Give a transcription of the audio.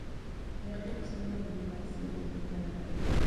رقیب زما د مبارزې مهمه برخه ده